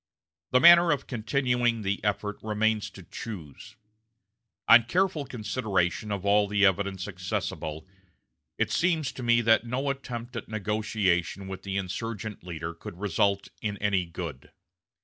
The manner of continuing the effort remains to choose. On careful consideration of all the evidence accessible, it seems to me that no attempt at negotiation with the insurgent leader could result in any good.